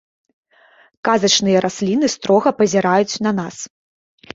Казачныя расліны строга пазіраюць на нас.